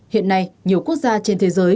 hiện nay nhiều quốc gia trên thế giới